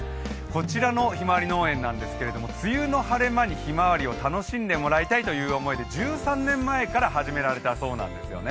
こちらのひまわり農園なんですが、梅雨の晴れ間にひまわりを楽しんでもらいたいという思いで１３年前から始められたそうなんですね。